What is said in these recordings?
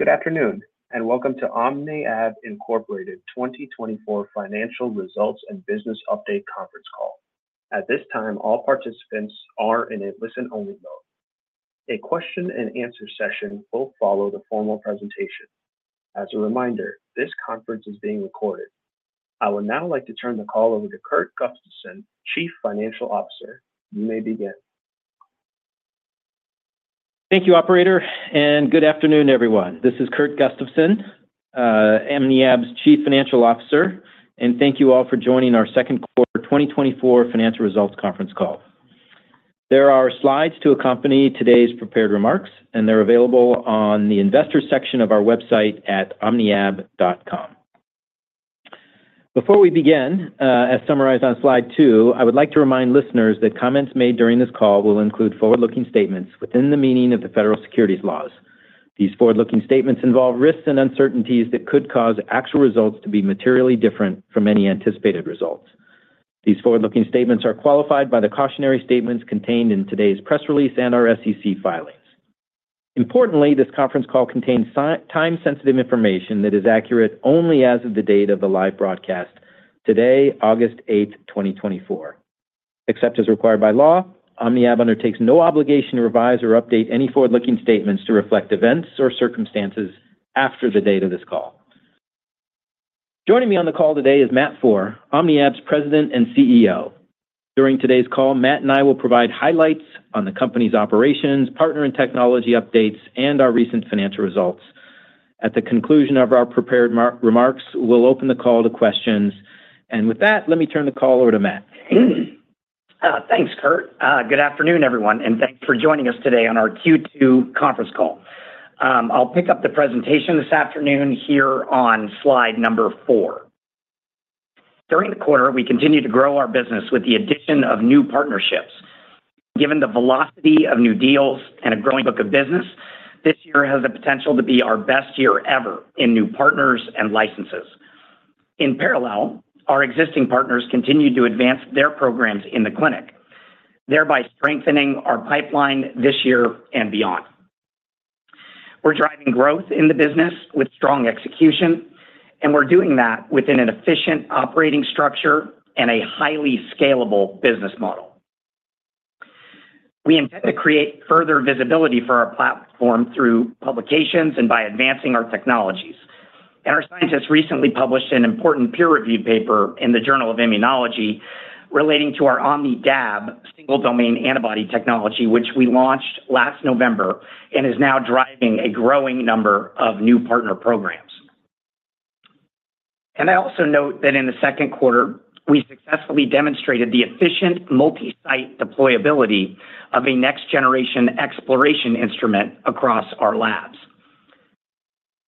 Good afternoon, and welcome to OmniAb Incorporated 2024 financial results and business update conference call. At this time, all participants are in a listen-only mode. A question and answer session will follow the formal presentation. As a reminder, this conference is being recorded. I would now like to turn the call over to Kurt Gustafson, Chief Financial Officer. You may begin. Thank you, operator, and good afternoon, everyone. This is Kurt Gustafson, OmniAb's Chief Financial Officer, and thank you all for joining our second quarter 2024 financial results conference call. There are slides to accompany today's prepared remarks, and they're available on the investor section of our website at omniab.com. Before we begin, as summarized on slide 2, I would like to remind listeners that comments made during this call will include forward-looking statements within the meaning of the federal securities laws. These forward-looking statements involve risks and uncertainties that could cause actual results to be materially different from any anticipated results. These forward-looking statements are qualified by the cautionary statements contained in today's press release and our SEC filings. Importantly, this conference call contains time-sensitive information that is accurate only as of the date of the live broadcast today, August 8, 2024. Except as required by law, OmniAb undertakes no obligation to revise or update any forward-looking statements to reflect events or circumstances after the date of this call. Joining me on the call today is Matt Foehr, OmniAb's President and CEO. During today's call, Matt and I will provide highlights on the company's operations, partner and technology updates, and our recent financial results. At the conclusion of our prepared remarks, we'll open the call to questions. With that, let me turn the call over to Matt. Thanks, Kurt. Good afternoon, everyone, and thank you for joining us today on our Q2 conference call. I'll pick up the presentation this afternoon here on slide number 4. During the quarter, we continued to grow our business with the addition of new partnerships. Given the velocity of new deals and a growing book of business, this year has the potential to be our best year ever in new partners and licenses. In parallel, our existing partners continued to advance their programs in the clinic, thereby strengthening our pipeline this year and beyond. We're driving growth in the business with strong execution, and we're doing that within an efficient operating structure and a highly scalable business model. We intend to create further visibility for our platform through publications and by advancing our technologies. Our scientists recently published an important peer review paper in the Journal of Immunology relating to our OmnidAb single domain antibody technology, which we launched last November and is now driving a growing number of new partner programs. I also note that in the second quarter, we successfully demonstrated the efficient multi-site deployability of a next generation xPloration instrument across our labs.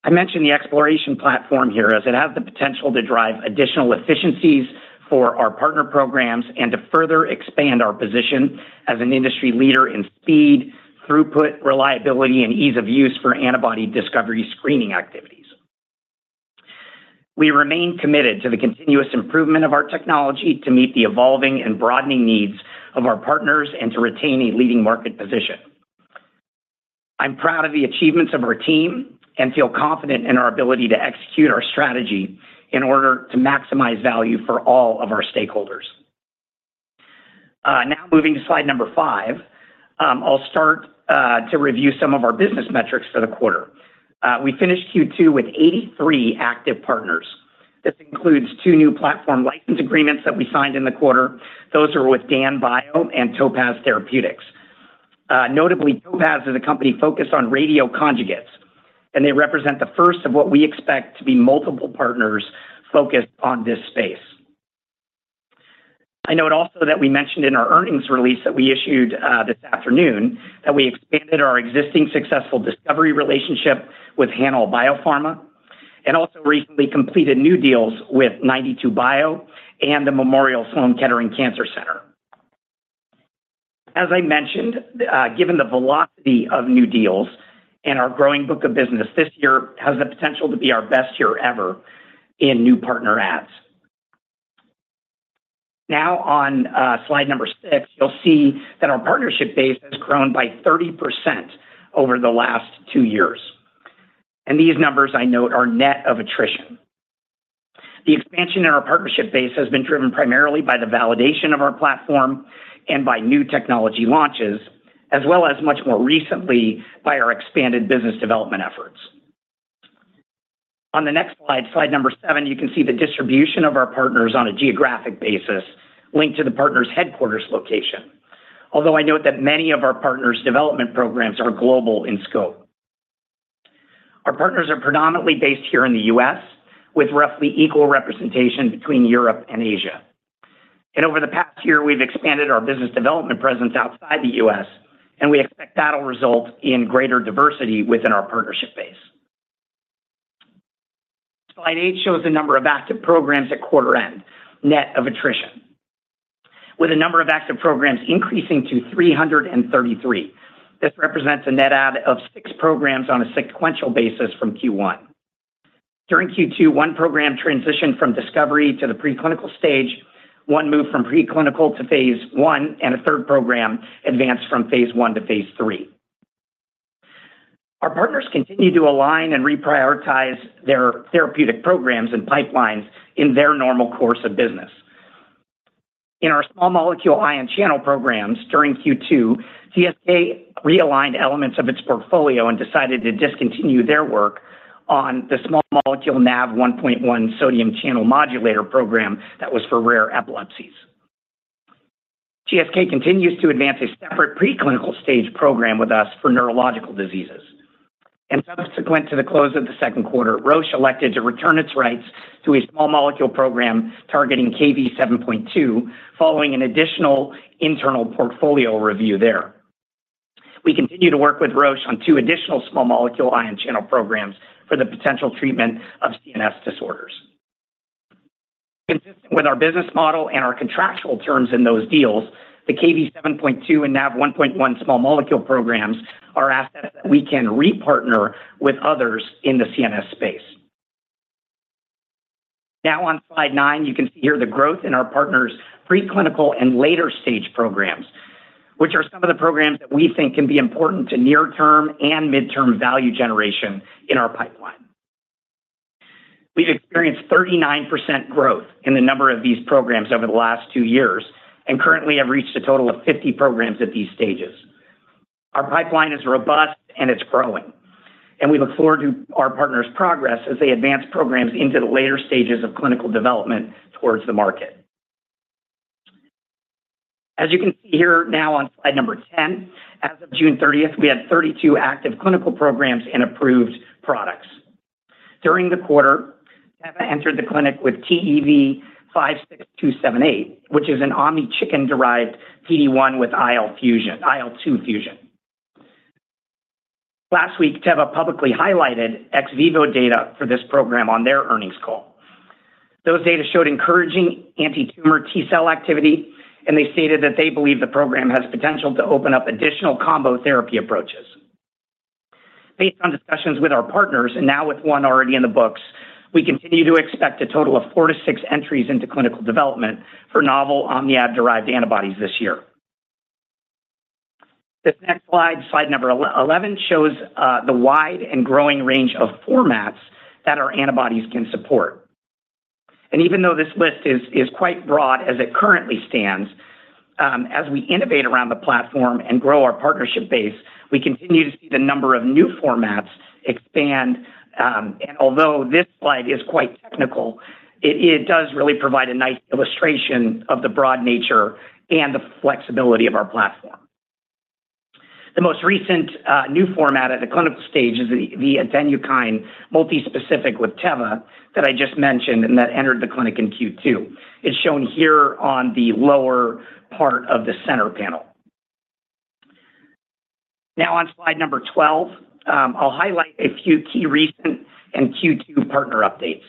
I mention the xPloration platform here, as it has the potential to drive additional efficiencies for our partner programs and to further expand our position as an industry leader in speed, throughput, reliability, and ease of use for antibody discovery screening activities. We remain committed to the continuous improvement of our technology to meet the evolving and broadening needs of our partners and to retain a leading market position. I'm proud of the achievements of our team and feel confident in our ability to execute our strategy in order to maximize value for all of our stakeholders. Now, moving to slide number 5, I'll start to review some of our business metrics for the quarter. We finished Q2 with 83 active partners. This includes 2 new platform license agreements that we signed in the quarter. Those are with Daan Bio and Topaz Therapeutics. Notably, Topaz is a company focused on radioconjugates, and they represent the first of what we expect to be multiple partners focused on this space. I note also that we mentioned in our earnings release that we issued this afternoon that we expanded our existing successful discovery relationship with HanAll Biopharma, and also recently completed new deals with 92Bio and the Memorial Sloan Kettering Cancer Center. As I mentioned, given the velocity of new deals and our growing book of business, this year has the potential to be our best year ever in new partner adds. Now, on slide number 6, you'll see that our partnership base has grown by 30% over the last 2 years, and these numbers I note, are net of attrition. The expansion in our partnership base has been driven primarily by the validation of our platform and by new technology launches, as well as much more recently by our expanded business development efforts. On the next slide, slide number 7, you can see the distribution of our partners on a geographic basis linked to the partner's headquarters location. Although I note that many of our partners' development programs are global in scope. Our partners are predominantly based here in the U.S., with roughly equal representation between Europe and Asia. Over the past year, we've expanded our business development presence outside the U.S., and we expect that'll result in greater diversity within our partnership base. Slide 8 shows the number of active programs at quarter end, net of attrition, with the number of active programs increasing to 333. This represents a net add of 6 programs on a sequential basis from Q1. During Q2, one program transitioned from discovery to the preclinical stage, one moved from preclinical to phase I, and a third program advanced from phase I to phase III. Our partners continue to align and reprioritize their therapeutic programs and pipelines in their normal course of business. In our small molecule ion channel programs during Q2, GSK realigned elements of its portfolio and decided to discontinue their work on the small molecule Nav1.1 sodium channel modulator program that was for rare epilepsies. GSK continues to advance a separate preclinical stage program with us for neurological diseases. Subsequent to the close of the second quarter, Roche elected to return its rights to a small molecule program targeting Kv7.2, following an additional internal portfolio review there. We continue to work with Roche on two additional small molecule ion channel programs for the potential treatment of CNS disorders. Consistent with our business model and our contractual terms in those deals, the Kv7.2 and Nav1.1 small molecule programs are assets that we can repartner with others in the CNS space. Now on slide 9, you can see here the growth in our partners' preclinical and later-stage programs, which are some of the programs that we think can be important to near-term and midterm value generation in our pipeline. We've experienced 39% growth in the number of these programs over the last 2 years and currently have reached a total of 50 programs at these stages. Our pipeline is robust and it's growing, and we look forward to our partners' progress as they advance programs into the later stages of clinical development towards the market. As you can see here now on slide number 10, as of June 30, we had 32 active clinical programs and approved products. During the quarter, Teva entered the clinic with TEV-56278, which is an OmniChicken-derived PD-1 with IL-2 fusion. Last week, Teva publicly highlighted ex vivo data for this program on their earnings call. Those data showed encouraging antitumor T cell activity, and they stated that they believe the program has potential to open up additional combo therapy approaches. Based on discussions with our partners and now with one already in the books, we continue to expect a total of 4-6 entries into clinical development for novel OmniAb-derived antibodies this year. This next slide, slide number 11, shows the wide and growing range of formats that our antibodies can support. Even though this list is quite broad as it currently stands, as we innovate around the platform and grow our partnership base, we continue to see the number of new formats expand. And although this slide is quite technical, it does really provide a nice illustration of the broad nature and the flexibility of our platform. The most recent new format at the clinical stage is the Attenukine multispecific with Teva that I just mentioned and that entered the clinic in Q2. It's shown here on the lower part of the center panel. Now on slide number 12, I'll highlight a few key recent and Q2 partner updates.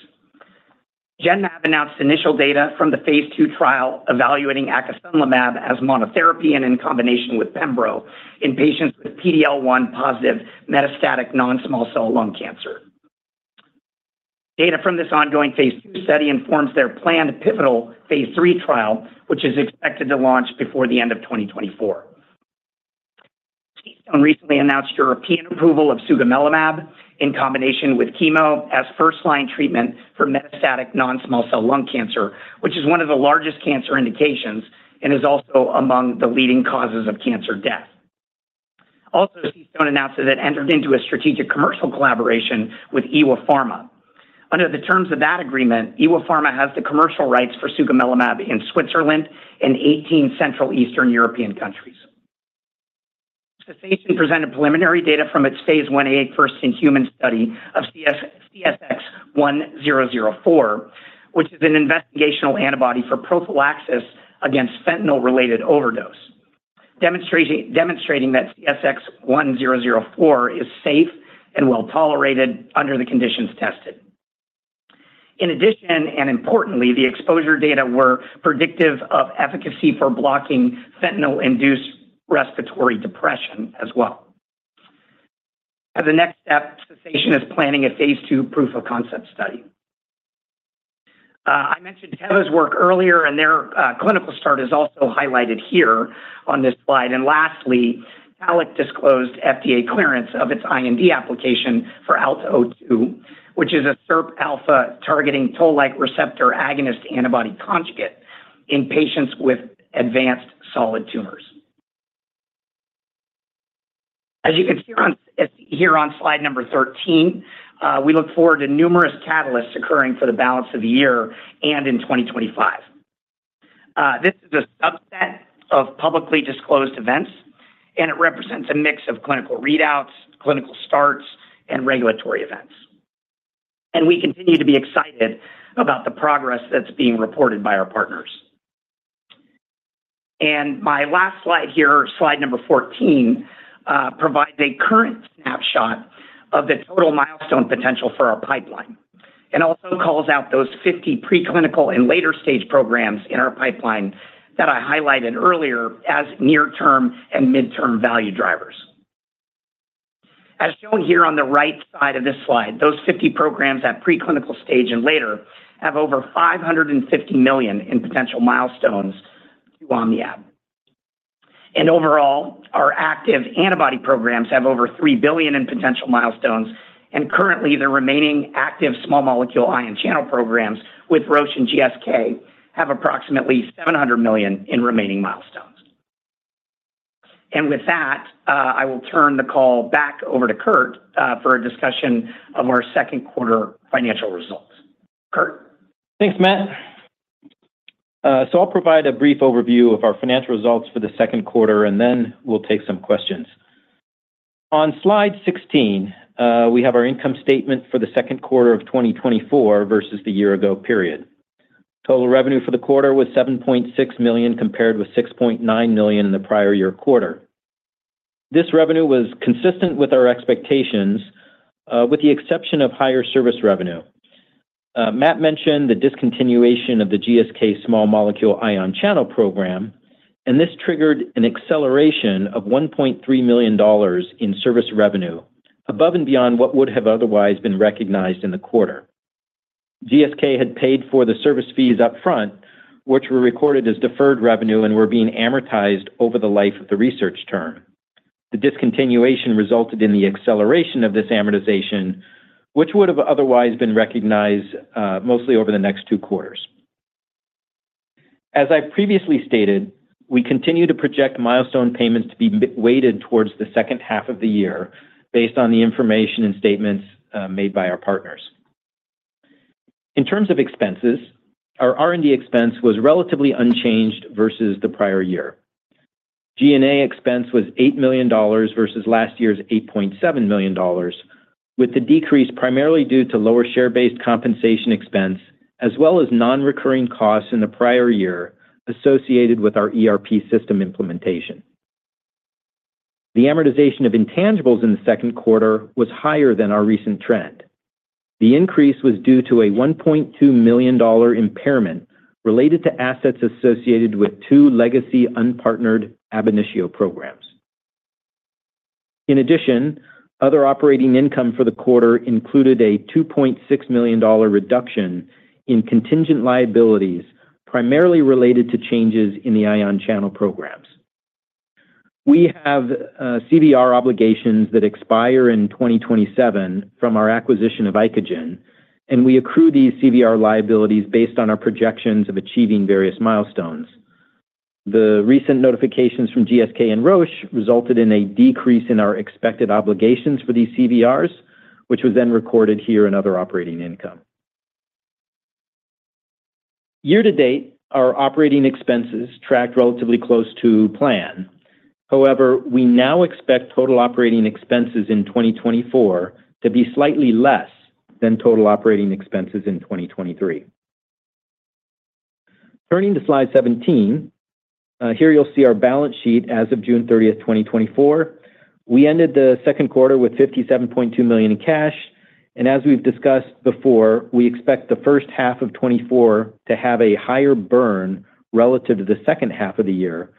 Genmab announced initial data from the phase two trial evaluating acasunlimab as monotherapy and in combination with pembro in patients with PD-L1 positive metastatic non-small cell lung cancer. Data from this ongoing phase two study informs their planned pivotal phase three trial, which is expected to launch before the end of 2024. Recently announced European approval of sugemalimab in combination with chemo as first-line treatment for metastatic non-small cell lung cancer, which is one of the largest cancer indications and is also among the leading causes of cancer death. CStone announced that it entered into a strategic commercial collaboration with Ewopharma. Under the terms of that agreement, Ewopharma has the commercial rights for sugemalimab in Switzerland and 18 Central Eastern European countries. Cessation presented preliminary data from its phase 1a first-in-human study of CSX-1004, which is an investigational antibody for prophylaxis against fentanyl-related overdose. Demonstrating that CSX-1004 is safe and well tolerated under the conditions tested. In addition, and importantly, the exposure data were predictive of efficacy for blocking fentanyl-induced respiratory depression as well. As the next step, Cessation is planning a phase 2 proof of concept study. I mentioned Teva's work earlier, and their clinical start is also highlighted here on this slide. Lastly, ALX disclosed FDA clearance of its IND application for ALTA-002, which is a SIRP alpha-targeting toll-like receptor agonist antibody conjugate in patients with advanced solid tumors. As you can see here on slide number 13, we look forward to numerous catalysts occurring for the balance of the year and in 2025. This is a subset of publicly disclosed events, and it represents a mix of clinical readouts, clinical starts, and regulatory events. We continue to be excited about the progress that's being reported by our partners. My last slide here, slide number 14, provides a current snapshot of the total milestone potential for our pipeline and also calls out those 50 preclinical and later-stage programs in our pipeline that I highlighted earlier as near-term and midterm value drivers. As shown here on the right side of this slide, those 50 programs at preclinical stage and later have over $550 million in potential milestones to OmniAb. Overall, our active antibody programs have over $3 billion in potential milestones, and currently, the remaining active small molecule ion channel programs with Roche and GSK have approximately $700 million in remaining milestones. With that, I will turn the call back over to Kurt, for a discussion of our second quarter financial results. Kurt? Thanks, Matt. So I'll provide a brief overview of our financial results for the second quarter, and then we'll take some questions. On Slide 16, we have our income statement for the second quarter of 2024 versus the year-ago period. Total revenue for the quarter was $7.6 million, compared with $6.9 million in the prior year quarter. This revenue was consistent with our expectations, with the exception of higher service revenue. Matt mentioned the discontinuation of the GSK small molecule ion channel program, and this triggered an acceleration of $1.3 million in service revenue, above and beyond what would have otherwise been recognized in the quarter. GSK had paid for the service fees up front, which were recorded as deferred revenue and were being amortized over the life of the research term. The discontinuation resulted in the acceleration of this amortization, which would have otherwise been recognized mostly over the next two quarters. As I've previously stated, we continue to project milestone payments to be milestone-weighted towards the second half of the year, based on the information and statements made by our partners. In terms of expenses, our R&D expense was relatively unchanged versus the prior year. G&A expense was $8 million versus last year's $8.7 million, with the decrease primarily due to lower share-based compensation expense, as well as non-recurring costs in the prior year associated with our ERP system implementation. The amortization of intangibles in the second quarter was higher than our recent trend. The increase was due to a $1.2 million impairment related to assets associated with two legacy unpartnered ab initio programs. In addition, other operating income for the quarter included a $2.6 million reduction in contingent liabilities, primarily related to changes in the ion channel programs. We have CVR obligations that expire in 2027 from our acquisition of Icagen, and we accrue these CVR liabilities based on our projections of achieving various milestones. The recent notifications from GSK and Roche resulted in a decrease in our expected obligations for these CVRs, which was then recorded here in other operating income. Year to date, our operating expenses tracked relatively close to plan. However, we now expect total operating expenses in 2024 to be slightly less than total operating expenses in 2023. Turning to Slide 17, here you'll see our balance sheet as of June 30, 2024. We ended the second quarter with $57.2 million in cash, and as we've discussed before, we expect the first half of 2024 to have a higher burn relative to the second half of the year,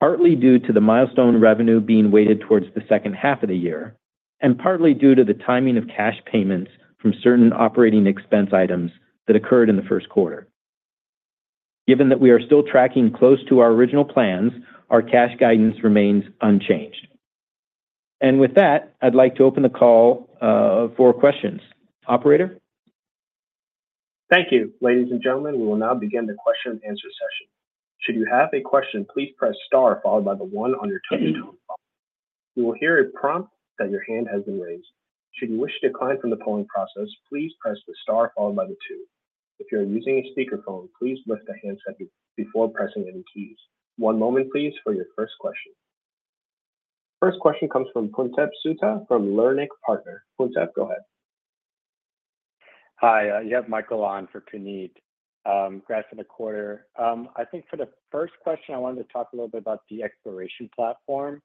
partly due to the milestone revenue being weighted towards the second half of the year, and partly due to the timing of cash payments from certain operating expense items that occurred in the first quarter. Given that we are still tracking close to our original plans, our cash guidance remains unchanged. And with that, I'd like to open the call for questions. Operator? Thank you. Ladies and gentlemen, we will now begin the question and answer session. Should you have a question, please press star followed by the one on your telephone. You will hear a prompt that your hand has been raised. Should you wish to decline from the polling process, please press the star followed by the two. If you're using a speakerphone, please lift the handset before pressing any keys. One moment, please, for your first question. First question comes from Puneet Souda from Leerink Partners. Puneet, go ahead. Hi, you have Michael on for Puneet. Congrats on the quarter. I think for the first question, I wanted to talk a little bit about the xPloration platform.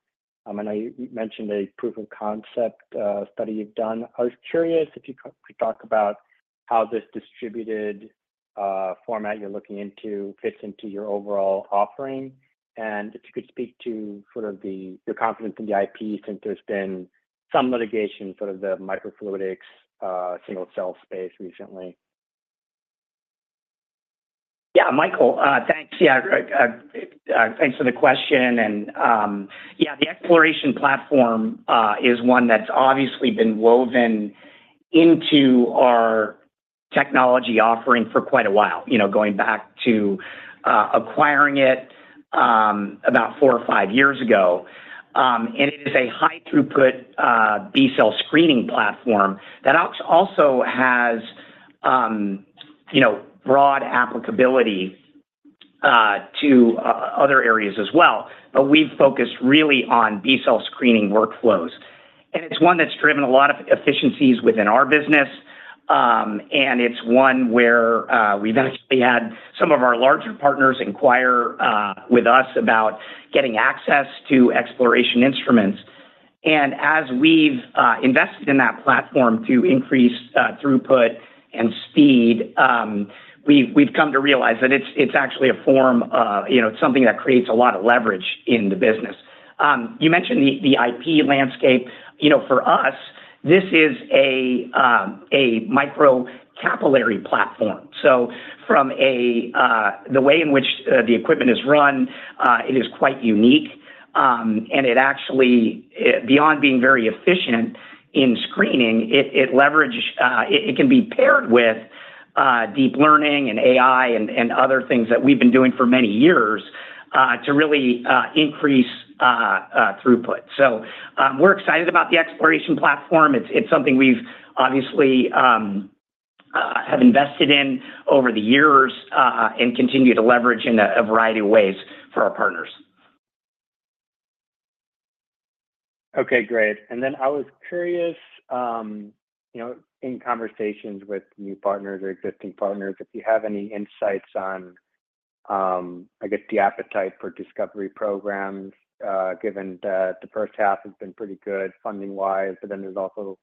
I know you, you mentioned a proof of concept study you've done. I was curious if you could talk about how this distributed format you're looking into fits into your overall offering, and if you could speak to sort of your confidence in the IP, since there's been some litigation, sort of the microfluidics single cell space recently. Yeah, Michael, thanks. Yeah, thanks for the question and, yeah, the xPloration platform is one that's obviously been woven into our technology offering for quite a while, you know, going back to acquiring it about four or five years ago. And it is a high throughput B-cell screening platform that also has, you know, broad applicability to other areas as well. But we've focused really on B-cell screening workflows, and it's one that's driven a lot of efficiencies within our business, and it's one where we've actually had some of our larger partners inquire with us about getting access to xPloration instruments. And as we've invested in that platform to increase throughput and speed, we've come to realize that it's actually a form, you know, something that creates a lot of leverage in the business. You mentioned the IP landscape. You know, for us. This is a microcapillary platform. So from the way in which the equipment is run, it is quite unique, and it actually, beyond being very efficient in screening, it leverages, it can be paired with deep learning and AI and other things that we've been doing for many years, to really increase throughput. So, we're excited about the xPloration platform. It's something we've obviously have invested in over the years and continue to leverage in a variety of ways for our partners. Okay, great. And then I was curious, you know, in conversations with new partners or existing partners, if you have any insights on, I guess, the appetite for discovery programs, given that the first half has been pretty good funding-wise, but then there's also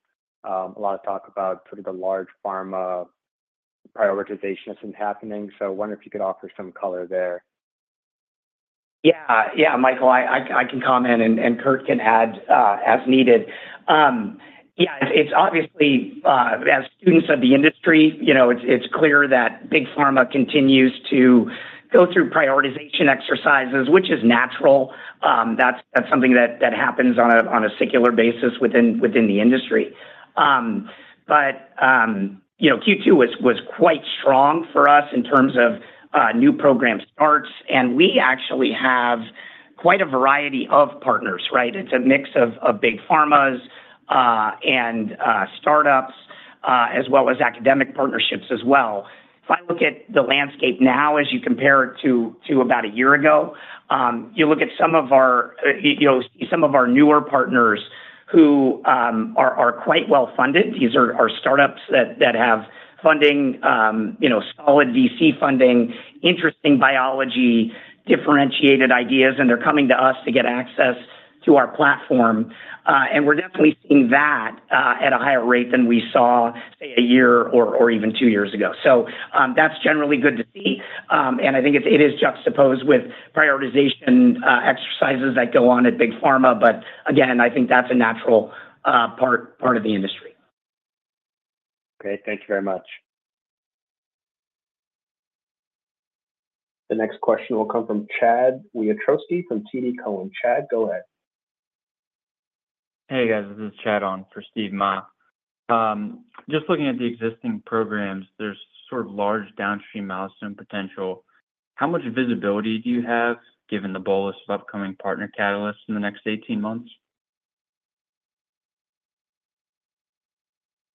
a lot of talk about sort of the large pharma prioritization that's been happening. So I wonder if you could offer some color there. Yeah. Yeah, Michael, I can comment, and Kurt can add, as needed. Yeah, it's obviously, as students of the industry, you know, it's clear that big pharma continues to go through prioritization exercises, which is natural. That's something that happens on a secular basis within the industry. But you know, Q2 was quite strong for us in terms of new program starts, and we actually have quite a variety of partners, right? It's a mix of big pharmas and startups as well as academic partnerships as well. If I look at the landscape now as you compare it to about a year ago, you look at some of our, you know, some of our newer partners who are quite well-funded. These are startups that have funding, you know, solid VC funding, interesting biology, differentiated ideas, and they're coming to us to get access to our platform. And we're definitely seeing that at a higher rate than we saw say, a year or even two years ago. So, that's generally good to see. And I think it is juxtaposed with prioritization exercises that go on at big pharma. But again, I think that's a natural part of the industry. Okay. Thank you very much. The next question will come from Chad Wiatrowski from TD Cowen. Chad, go ahead. Hey, guys, this is Chad on for Steve Mah. Just looking at the existing programs, there's sort of large downstream milestone potential. How much visibility do you have, given the bolus of upcoming partner catalysts in the next 18 months?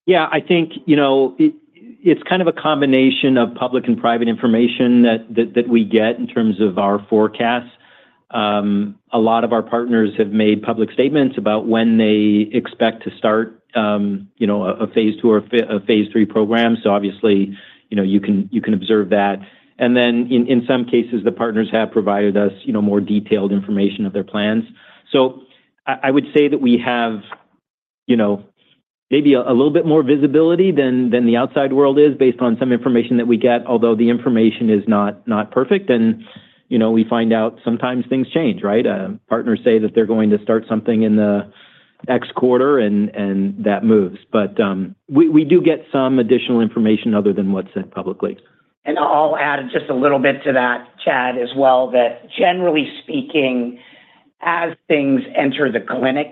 Yeah, I think, you know, it, it's kind of a combination of public and private information that we get in terms of our forecast. A lot of our partners have made public statements about when they expect to start, you know, a phase two or a phase three program. So obviously, you know, you can observe that. And then in some cases, the partners have provided us, you know, more detailed information of their plans. So I would say that we have, you know, maybe a little bit more visibility than the outside world is based on some information that we get, although the information is not perfect, and, you know, we find out sometimes things change, right? Partners say that they're going to start something in the X quarter, and that moves. But we do get some additional information other than what's said publicly. And I'll add just a little bit to that, Chad, as well, that generally speaking, as things enter the clinic,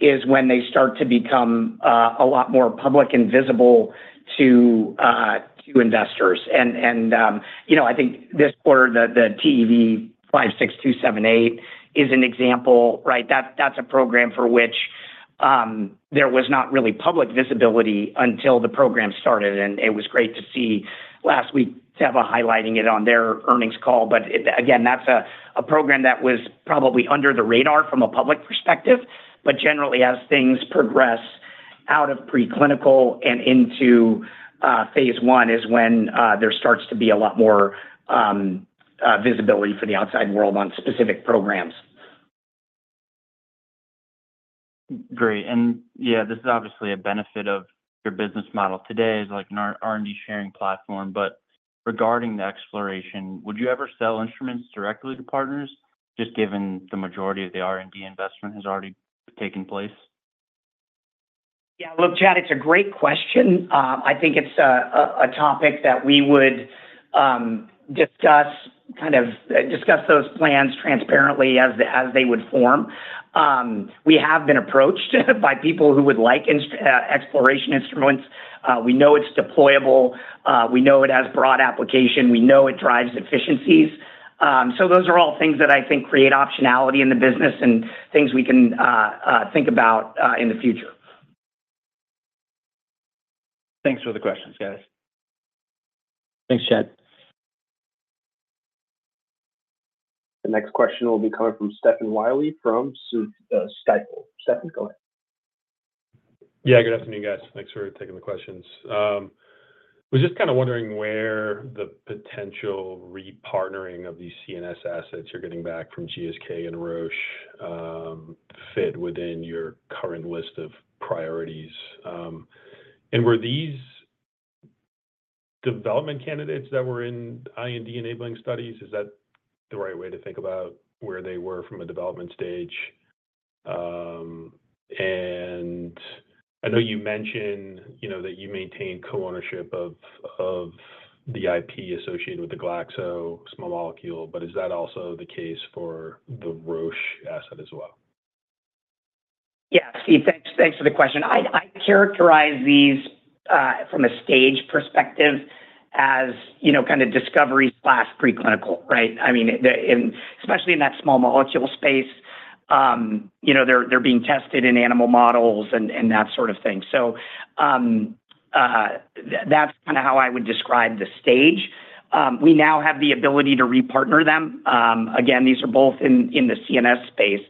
is when they start to become a lot more public and visible to to investors. And, you know, I think this quarter, the TEV-56278 is an example, right? That's a program for which there was not really public visibility until the program started, and it was great to see last week, Teva highlighting it on their earnings call. But again, that's a program that was probably under the radar from a public perspective. But generally, as things progress out of preclinical and into phase one, is when there starts to be a lot more visibility for the outside world on specific programs. Great. Yeah, this is obviously a benefit of your business model. Today is like an R&D sharing platform, but regarding the xPloration, would you ever sell instruments directly to partners, just given the majority of the R&D investment has already taken place? Yeah. Look, Chad, it's a great question. I think it's a topic that we would discuss, kind of, discuss those plans transparently as they would form. We have been approached by people who would like xPloration instruments. We know it's deployable, we know it has broad application, we know it drives efficiencies. So those are all things that I think create optionality in the business and things we can think about in the future. Thanks for the questions, guys. Thanks, Chad. The next question will be coming from Stephen Willey from Stifel. Stephen, go ahead. Yeah, good afternoon, guys. Thanks for taking the questions. I was just kind of wondering where the potential repartnering of these CNS assets you're getting back from GSK and Roche fit within your current list of priorities. And were these development candidates that were in IND enabling studies, is that the right way to think about where they were from a development stage? And I know you mentioned, you know, that you maintain co-ownership of the IP associated with the Glaxo small molecule, but is that also the case for the Roche asset as well? Yeah, Steve, thanks, thanks for the question. I characterize these from a stage perspective, as, you know, kind of discovery/preclinical, right? I mean, and especially in that small molecule space, you know, they're being tested in animal models and that sort of thing. So, that's kinda how I would describe the stage. We now have the ability to re-partner them. Again, these are both in the CNS space,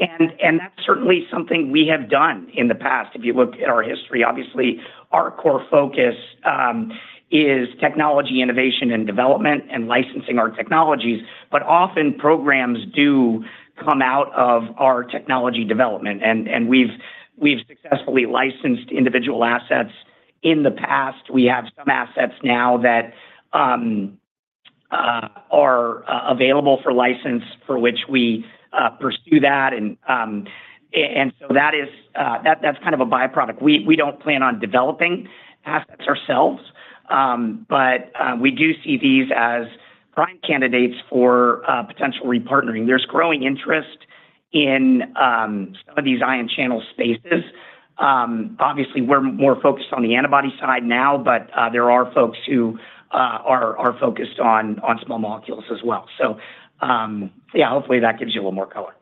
and that's certainly something we have done in the past. If you looked at our history, obviously, our core focus is technology, innovation, and development, and licensing our technologies, but often programs do come out of our technology development, and we've successfully licensed individual assets in the past. We have some assets now that are available for license, for which we pursue that. And so that is... that's kind of a by-product. We don't plan on developing assets ourselves, but we do see these as prime candidates for potential re-partnering. There's growing interest in some of these ion channel spaces. Obviously, we're more focused on the antibody side now, but there are folks who are focused on small molecules as well. So, yeah, hopefully, that gives you a little more color.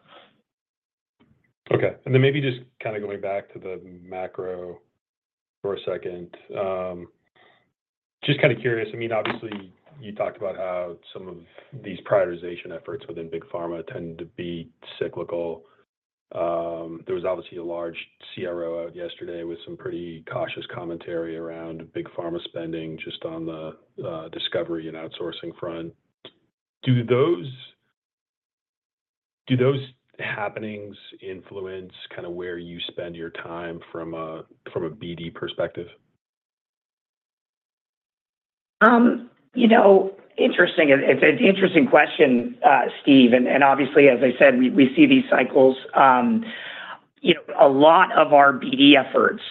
Okay. And then maybe just kinda going back to the macro for a second. Just kinda curious, I mean, obviously, you talked about how some of these prioritization efforts within big pharma tend to be cyclical. There was obviously a large CRO out yesterday with some pretty cautious commentary around big pharma spending, just on the discovery and outsourcing front. Do those, do those happenings influence kinda where you spend your time from a, from a BD perspective? You know, interesting. It's an interesting question, Steve, and obviously, as I said, we see these cycles. You know, a lot of our BD efforts,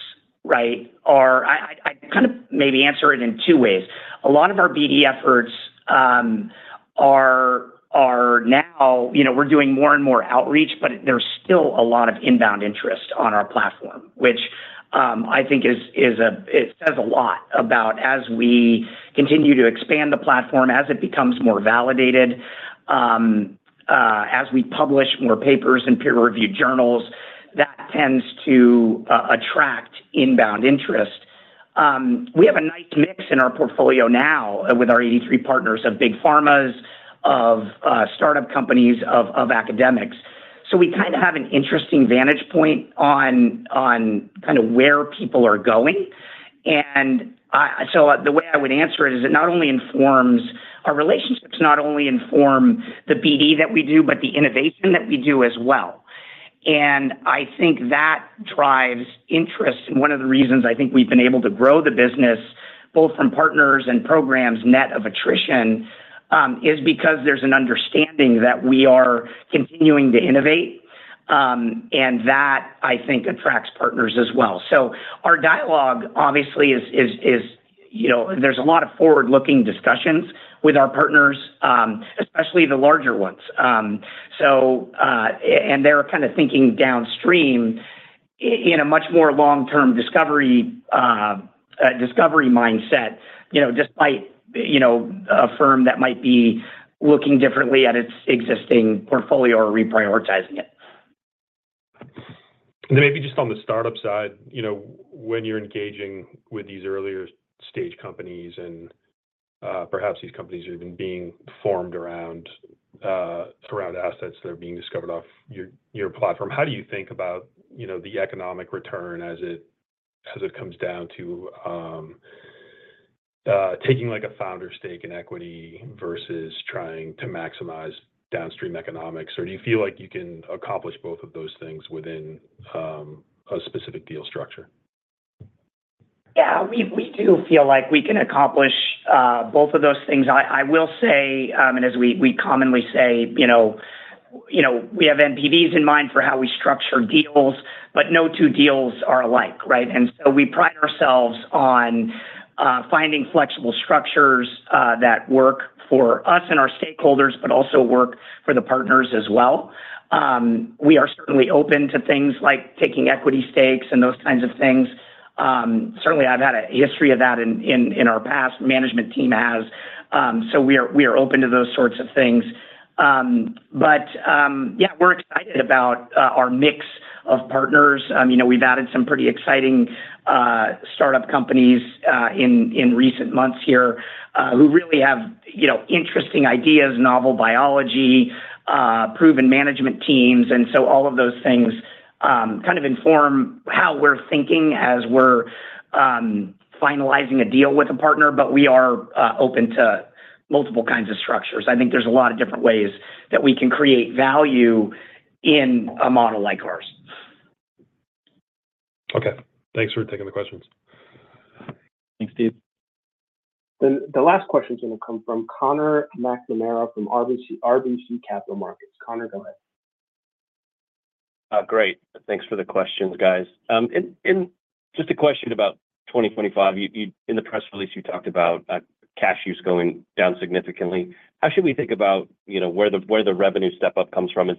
right, are... I kind of maybe answer it in two ways. A lot of our BD efforts are now, you know, we're doing more and more outreach, but there's still a lot of inbound interest on our platform, which I think is it says a lot about as we continue to expand the platform, as it becomes more validated, as we publish more papers and peer review journals, that tends to attract inbound interest. We have a nice mix in our portfolio now with our 83 partners of big pharmas, of startup companies, of academics. So we kinda have an interesting vantage point on kinda where people are going. So the way I would answer it is, it not only informs our relationships, not only inform the BD that we do, but the innovation that we do as well. And I think that drives interest, and one of the reasons I think we've been able to grow the business, both from partners and programs net of attrition, is because there's an understanding that we are continuing to innovate, and that, I think, attracts partners as well. So our dialogue, obviously, is, you know, there's a lot of forward-looking discussions with our partners, especially the larger ones. So, they're kinda thinking downstream in a much more long-term discovery mindset, you know, despite, you know, a firm that might be looking differently at its existing portfolio or reprioritizing it. And then maybe just on the startup side, you know, when you're engaging with these earlier stage companies and perhaps these companies are even being formed around assets that are being discovered off your platform, how do you think about, you know, the economic return as it comes down to taking, like, a founder stake in equity versus trying to maximize downstream economics? Or do you feel like you can accomplish both of those things within a specific deal structure? Yeah, we, we do feel like we can accomplish both of those things. I, I will say, and as we, we commonly say, you know, you know, we have NPDs in mind for how we structure deals, but no two deals are alike, right? And so we pride ourselves on finding flexible structures that work for us and our stakeholders, but also work for the partners as well. We are certainly open to things like taking equity stakes and those kinds of things. Certainly, I've had a history of that in, in, in our past, management team has, so we are, we are open to those sorts of things. But, yeah, we're excited about our mix of partners. You know, we've added some pretty exciting startup companies in recent months here who really have, you know, interesting ideas, novel biology, proven management teams. And so all of those things kind of inform how we're thinking as we're finalizing a deal with a partner, but we are open to multiple kinds of structures. I think there's a lot of different ways that we can create value in a model like ours.... Okay, thanks for taking the questions. Thanks, Steve. Then the last question is gonna come from Conor McNamara from RBC Capital Markets. Conor, go ahead. Great. Thanks for the questions, guys. And just a question about 2025. You in the press release, you talked about cash use going down significantly. How should we think about, you know, where the revenue step-up comes from? Is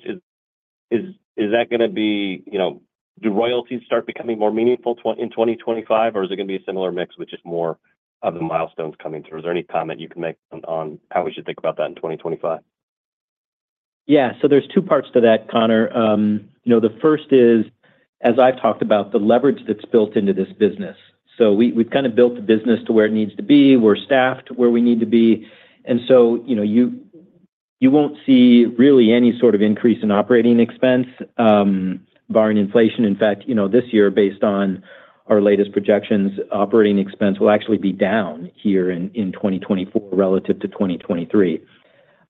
that gonna be, you know. Do royalties start becoming more meaningful in 2025, or is it gonna be a similar mix with just more of the milestones coming through? Is there any comment you can make on how we should think about that in 2025? Yeah. So there's two parts to that, Conor. You know, the first is, as I've talked about, the leverage that's built into this business. So we, we've kind of built the business to where it needs to be. We're staffed where we need to be. And so, you know, you won't see really any sort of increase in operating expense, barring inflation. In fact, you know, this year, based on our latest projections, operating expense will actually be down here in 2024 relative to 2023.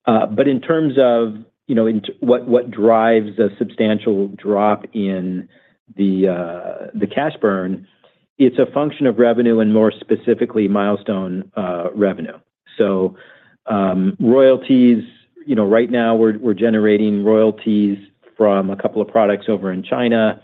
But in terms of, you know, what drives a substantial drop in the cash burn, it's a function of revenue and more specifically, milestone revenue. So, royalties, you know, right now we're generating royalties from a couple of products over in China.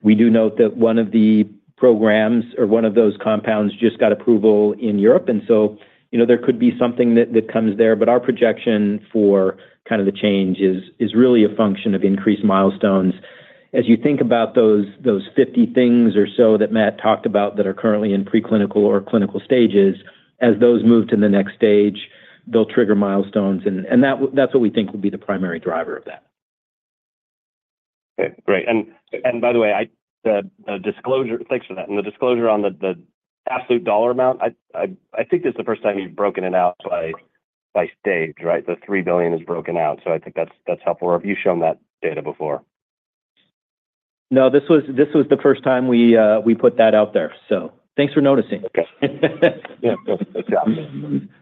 We do note that one of the programs or one of those compounds just got approval in Europe, and so, you know, there could be something that comes there. But our projection for kind of the change is really a function of increased milestones. As you think about those 50 things or so that Matt talked about that are currently in preclinical or clinical stages, as those move to the next stage, they'll trigger milestones, and that’s what we think will be the primary driver of that. Okay, great. And by the way, the disclosure... Thanks for that. And the disclosure on the absolute dollar amount, I think this is the first time you've broken it out by stage, right? The $3 billion is broken out, so I think that's helpful or have you shown that data before? No, this was, this was the first time we, we put that out there, so thanks for noticing. Okay. Yeah, of course.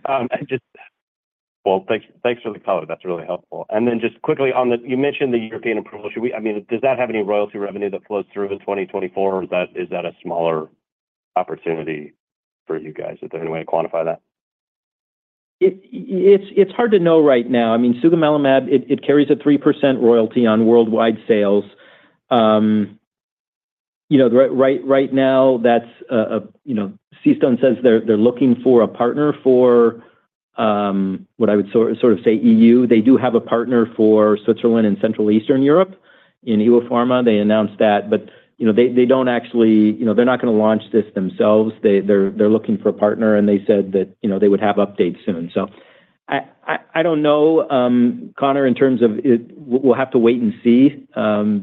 And just, well, thanks, thanks for the color. That's really helpful. And then just quickly on the, you mentioned the European approval. Should we, I mean, does that have any royalty revenue that flows through in 2024, or is that, is that a smaller opportunity for you guys? Is there any way to quantify that? It's hard to know right now. I mean, sugemalimab, it carries a 3% royalty on worldwide sales. You know, right now, that's, you know, CStone says they're looking for a partner for what I would sort of say EU. They do have a partner for Switzerland and Central Eastern Europe in Ewopharma. They announced that, but, you know, they don't actually... You know, they're not gonna launch this themselves. They're looking for a partner, and they said that, you know, they would have updates soon. So I don't know, Conor, in terms of it, we'll have to wait and see,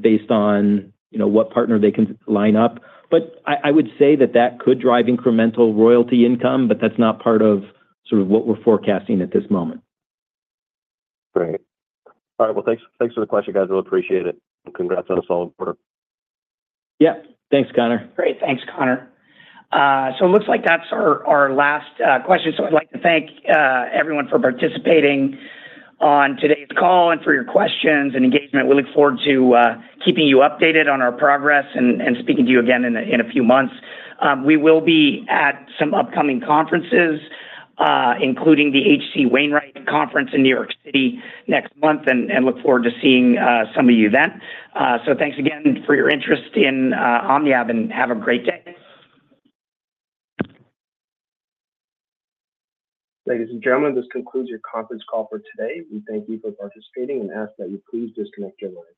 based on, you know, what partner they can line up. But I would say that could drive incremental royalty income, but that's not part of sort of what we're forecasting at this moment. Great. All right. Well, thanks, thanks for the question, guys. I appreciate it, and congrats on a solid quarter. Yeah. Thanks, Conor. Great. Thanks, Conor. So it looks like that's our last question. So I'd like to thank everyone for participating on today's call and for your questions and engagement. We look forward to keeping you updated on our progress and speaking to you again in a few months. We will be at some upcoming conferences, including the H.C. Wainwright Conference in New York City next month, and look forward to seeing some of you then. So, thanks again for your interest in OmniAb, and have a great day. Ladies and gentlemen, this concludes your conference call for today. We thank you for participating and ask that you please disconnect your lines.